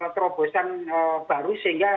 terobosan baru sehingga